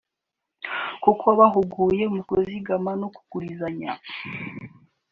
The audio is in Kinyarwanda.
kuko wabahuguye mu kuzigama no kugurizanya